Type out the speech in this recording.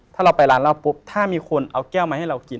ถ้าเราไปร้านเหล้าปุ๊บถ้ามีคนเอาแก้วมาให้เรากิน